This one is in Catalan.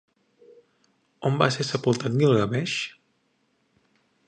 On va ser sepultat Guilgameix?